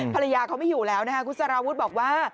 ภรรยาเขาไม่อยู่แล้วนะคะคุณสารวุฒิบอกว่า